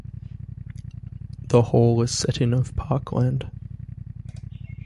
The hall is set in of parkland.